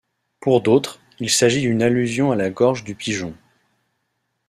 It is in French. Pour d'autres, il s'agit d'une allusion à la gorge du pigeon...